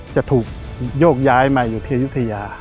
จะถูกโยกย้ายมาอยู่ที่อายุทยา